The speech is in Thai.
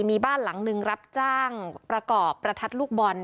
มีบ้านหลังหนึ่งรับจ้างประกอบประทัดลูกบอล